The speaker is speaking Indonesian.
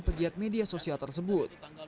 pegiat media sosial tersebut